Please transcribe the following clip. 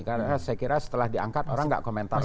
karena saya kira setelah diangkat orang tidak komentar lagi